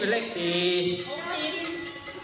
เลข๖และเลข๙นะครับ